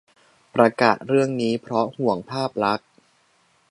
- ประกาศเรื่องนี้เพราะห่วงภาพลักษณ์